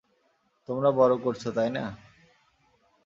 তোমরা বড় করছো, তাই না?